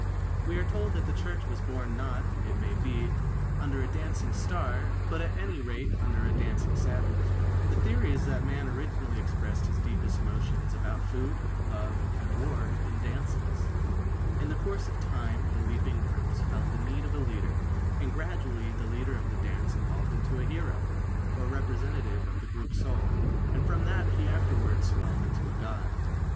We are told that the Church was born not, it may be, under a dancing star, but at any rate under a dancing savage. The theory is that man originally expressed his deepest emotions about food, love, and war in dances. In the course of time the leaping groups felt the need of a leader, and gradually the leader of the dance evolved into a hero, or representative of the group soul, and from that he afterwards swelled into a god.